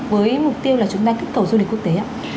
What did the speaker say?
với mục tiêu là chúng ta kích cầu du lịch quốc tế ạ